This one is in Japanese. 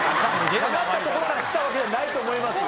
なまったところからきたわけではないと思いますよ。